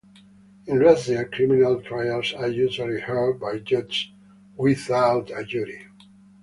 In Russia, criminal trials are usually heard by judges without a jury.